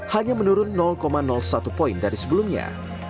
hanya menurun satu poin dari sebelumnya